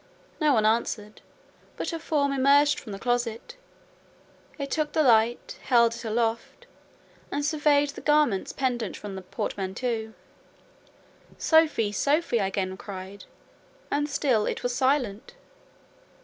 No one answered; but a form emerged from the closet; it took the light, held it aloft, and surveyed the garments pendent from the portmanteau. 'Sophie! Sophie!' I again cried: and still it was silent.